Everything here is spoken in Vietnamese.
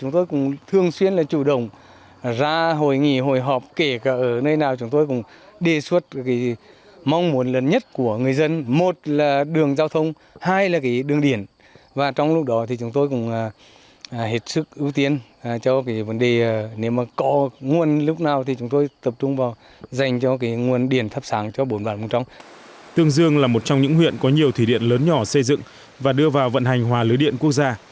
tương dương là một trong những huyện có nhiều thủy điện lớn nhỏ xây dựng và đưa vào vận hành hòa lưới điện quốc gia